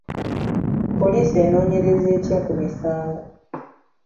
Poliisi enoonyereza etya ku misango?